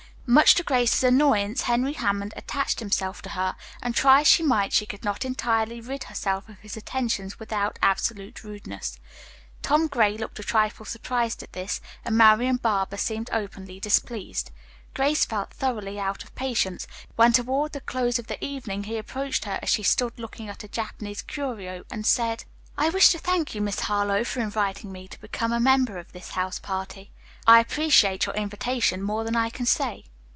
Much to Grace's annoyance, Henry Hammond attached himself to her, and try as she might she could not entirely rid herself of his attentions without absolute rudeness. Tom Gray looked a trifle surprised at this, and Marian Barber seemed openly displeased. Grace felt thoroughly out of patience, when toward the close of the evening, he approached her as she stood looking at a Japanese curio, and said: "I wish to thank you, Miss Harlowe, for inviting me to become a member of this house party. I appreciate your invitation more than I can say."